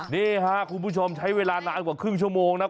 นี่ค่ะคุณผู้ชมใช้เวลานานกว่าครึ่งชั่วโมงนะครับ